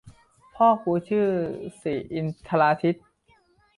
พ่อกูชื่อศรีอินทราทิตย์